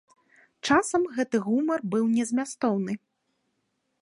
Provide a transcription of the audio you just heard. Часам гэты гумар быў незмястоўны.